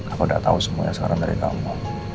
aku udah tau semuanya sekarang dari kamu